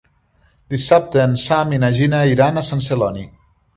Dissabte en Sam i na Gina iran a Sant Celoni.